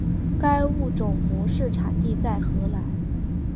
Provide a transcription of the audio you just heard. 该物种的模式产地在荷兰。